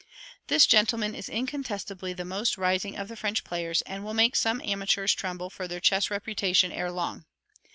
This gentleman is incontestably the most rising of the French players, and will make some amateurs tremble for their chess reputation ere long.